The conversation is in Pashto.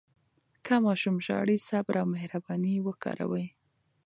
که ماشوم ژاړي، صبر او مهرباني وکاروئ.